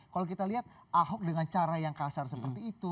kalau kita lihat ahok dengan cara yang kasar seperti itu